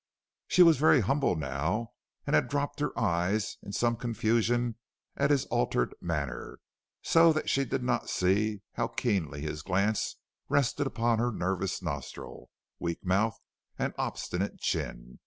She was very humble now and had dropped her eyes in some confusion at his altered manner, so that she did not see how keenly his glance rested upon her nervous nostril, weak mouth, and obstinate chin.